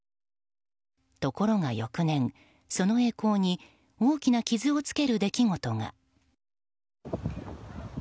ところが翌年、その栄光に大きな傷をつける出来事が。